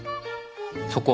そこ。